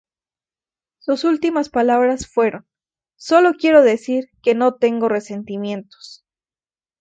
Sus últimas palabras fueron: "Sólo quiero decir que no tengo resentimientos.